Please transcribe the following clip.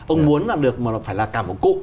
ông muốn làm được mà phải là cả một cụm